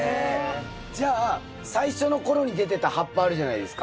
じゃあ最初の頃に出てた葉っぱあるじゃないですか。